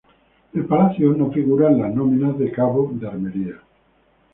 El palacio no figura en las nóminas de cabo de armería.